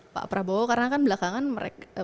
pak prabowo karena kan belakangan